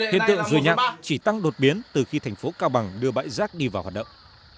hiện tượng rùi nhạn chỉ tăng đột biến từ khi thành phố cao bằng đưa bãi rác đi vào hoạt động